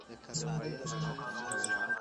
مينځه چي توده سي، هلته بيده سي.